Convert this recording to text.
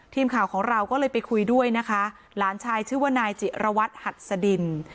ทีมข่าวของเราก็เลยไปคุยด้วยนะคะหลานชายชื่อว่านายจิระวัตรหัดสดิน